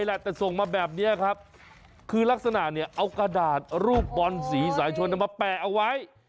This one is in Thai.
แหละแต่ส่งมาแบบนี้ครับคือลักษณะเนี่ยเอากระดาษรูปบอลสีสายชนเอามาแปะเอาไว้